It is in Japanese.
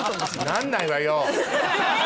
なんないわよ